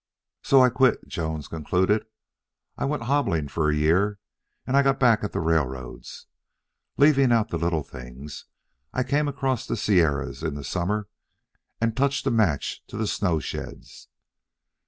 "So I quit," Jones concluded. "I went hobbling for a year, and I got back at the railroads. Leaving out the little things, I came across the Sierras in the summer and touched a match to the snow sheds.